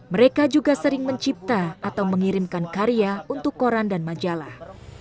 mereka juga sering mencipta atau mengirimkan karya untuk koran dan majalah